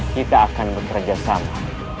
kita akan bekerja sama